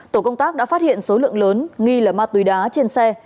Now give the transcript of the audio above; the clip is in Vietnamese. tổ công tác đã phát hiện số lượng lớn nghi là ma túy đá trên xe